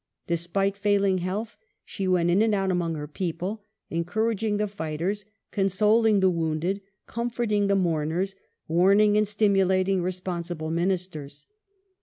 Despite failing health she went in and out among her people : encouraging the fighters, consoling the wounded, comforting the mournei s, warning and stimulating responsible Ministers.